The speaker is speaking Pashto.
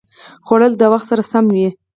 خوړل د وخت سره سم وي